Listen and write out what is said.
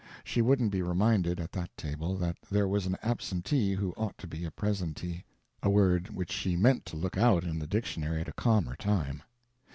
She wouldn't be reminded, at that table, that there was an absentee who ought to be a presentee—a word which she meant to look out in the dictionary at a calmer time.